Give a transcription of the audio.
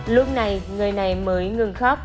lúc này người này mới ngừng khóc